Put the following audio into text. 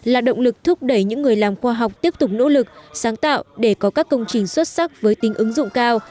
là động lực thúc đẩy những người làm khoa học tiếp tục nỗ lực sáng tạo để có các công trình xuất sắc với tính ứng dụng cao